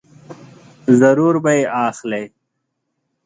ضرور به یې اخلې !